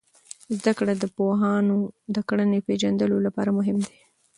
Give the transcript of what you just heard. زده کړه د پوهاندانو د کړنو د پیژندلو لپاره مهم دی.